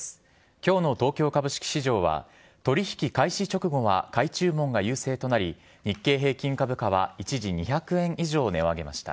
きょうの東京株式市場は、取り引き開始直後は買い注文が優勢となり、日経平均株価は、一時、２００円以上値を上げました。